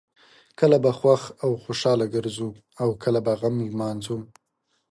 کله به خوښ او خوشحاله ګرځو او کله به غم لمانځو.